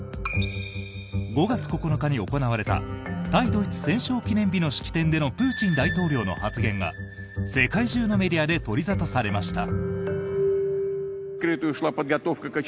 ５月９日に行われた対ドイツ戦勝記念日の式典でのプーチン大統領の発言が世界中のメディアで取り沙汰されました。